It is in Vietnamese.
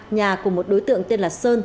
nhà của một đối tượng tên là sơn